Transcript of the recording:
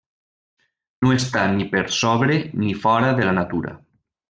No està ni per sobre ni fora de la natura.